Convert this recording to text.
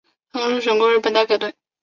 曾入选过的日本代表队。